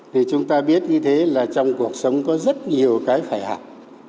thì chúng ta biết như thế là trong cuộc sống có rất nhiều cái phải học